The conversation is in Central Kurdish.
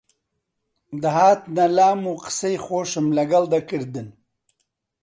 دەهاتنە لام و قسەی خۆشم لەگەڵ دەکردن